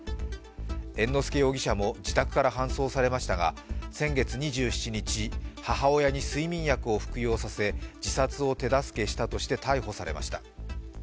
猿之助容疑者も自宅から搬送されましたが先月２７日、母親に睡眠薬を服用させ自殺を手助けしたとして逮捕されました。